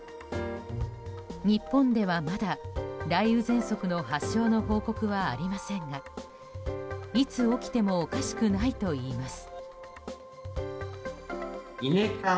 日本では、まだ雷雨ぜんそくの発症の報告はありませんがいつ起きてもおかしくないといいます。